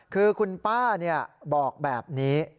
คือคุณป้าบอกแบบนี้